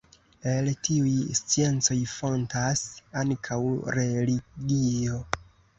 El tiuj sciencoj fontas ankaŭ religio.